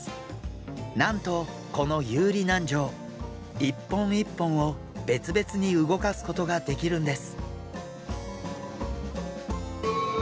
なんとこの遊離軟条１本１本を別々に動かすことができるんです。